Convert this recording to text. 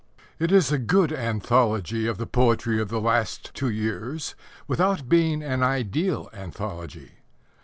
It is a good anthology of the poetry of the last two years without being an ideal anthology.